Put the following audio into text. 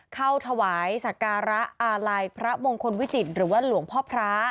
เข้าถวายสักการะอาลัยพระมงคลวิจิตรหรือว่าหลวงพ่อพระ